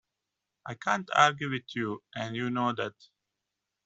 I can't argue with you, and you know that.